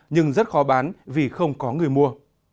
nhưng rất khó bán vì không có người mua